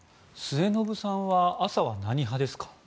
末延さんは朝は何派ですか？